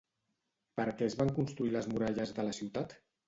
Per què es van construir les muralles de la ciutat?